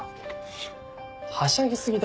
はしゃぎ過ぎだろ。